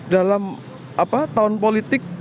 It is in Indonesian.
dalam tahun politik